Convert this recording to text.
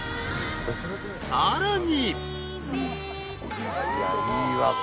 ［さらに］